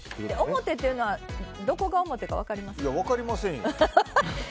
表というのはどこが表か分かりますか。